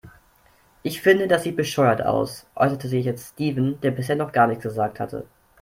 Ich finde, das sieht bescheuert aus, äußerte sich jetzt Steven, der bisher noch gar nichts gesagt hatte.